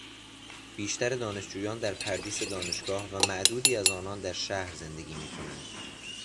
بیشتر دانشجویان در پردیس دانشگاه و معدودی از آنان در شهر زندگی میکنند.